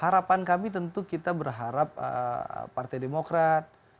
harapan kami tentu kita berharap partai demokrat